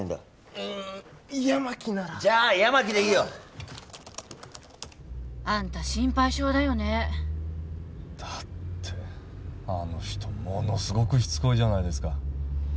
うん八巻ならじゃあ八巻でいいよあんた心配性だよねだってあの人ものすごくしつこいじゃないですか